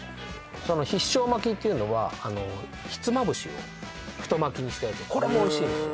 必勝巻きっていうのはひつまぶしを太巻きにしたやつこれもおいしいんですよ